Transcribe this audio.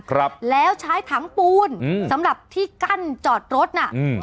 ครับแล้วใช้ถังปูนอืมสำหรับที่กั้นจอดรถน่ะอืม